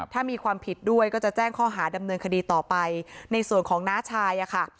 ถ้ามีความผิดด้วยก็จะแจ้งข้อหาดำเนินคดีต่อไปในส่วนของน้าชายอะค่ะ